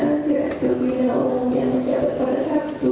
direktur bina umum yang menjawab pada sabtu